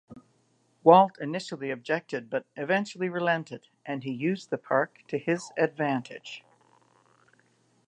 Walt initially objected, but eventually relented, and he used the park to his advantage.